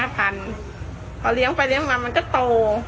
พอเลี้ยงไปเลี้ยงมามันก็โต